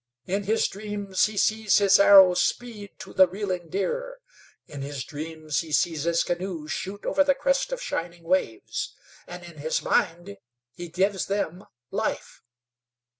In his dreams he sees his arrow speed to the reeling deer; in his dreams he sees his canoe shoot over the crest of shining waves; and in his mind he gives them life.